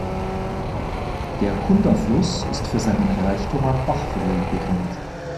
Der Kunda-Fluss ist für seinen Reichtum an Bachforellen bekannt.